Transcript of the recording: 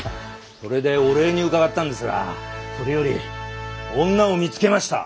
それでお礼に伺ったんですがそれより女を見つけました。